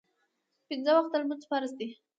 پینځه وخته لمونځ فرض دی